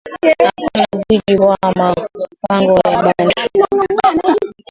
Apana bwiji bwa ma pango ya bantu